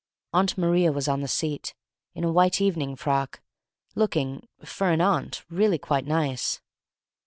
Aunt Maria was on the seat, in a white evening frock, looking for an aunt really quite nice.